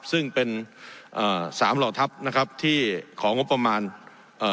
ซึ่งเป็นเอ่อสามเหล่าทัพนะครับที่ของงบประมาณเอ่อ